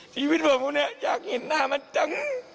ทีวิทย์พ่อผมเนี่ยอยากเห็นหน้ามันจัง